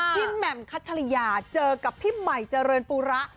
แหม่มคัทริยาเจอกับพี่ใหม่เจริญปูระ